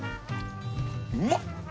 うまっ！